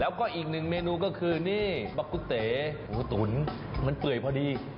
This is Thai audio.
แล้วก็อีกหนึ่งเมนูก็คือนี่มะกุเต๋หมูตุ๋นมันเปื่อยพอดี